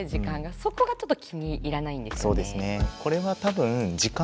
そこがちょっと気に入らないんですよね。